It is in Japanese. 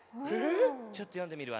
ちょっとよんでみるわね。